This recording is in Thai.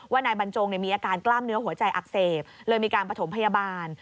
นายบรรจงมีอาการกล้ามเนื้อหัวใจอักเสบเลยมีการประถมพยาบาล